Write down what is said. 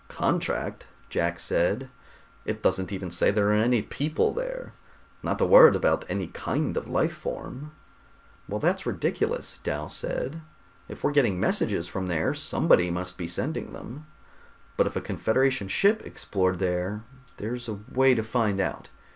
"Contract!" Jack said. "It doesn't even say there are any people there. Not a word about any kind of life form." "Well, that's ridiculous," Dal said. "If we're getting messages from there, somebody must be sending them. But if a Confederation ship explored there, there's a way to find out.